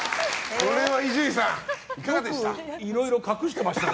これは、伊集院さんいかがでしたか？